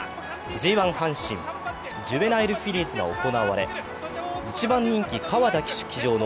ＧⅠ・阪神ジュベナイルフィリーズが行われ一番人気、川田騎手騎乗の